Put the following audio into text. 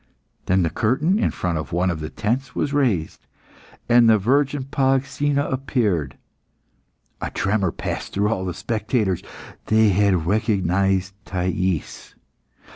Then the curtain in front of one of the tents was raised, and the virgin Polyxena appeared. A tremor passed through all the spectators. They had recognised Thais.